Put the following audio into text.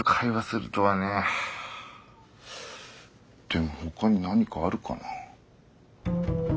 でもほかに何かあるかな？